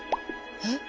え？